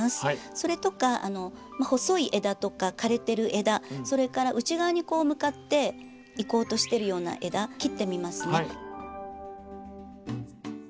それとか細い枝とか枯れてる枝それから内側に向かっていこうとしてるような枝切ってみますね。